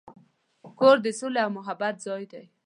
کور د سولې او محبت ځای دی.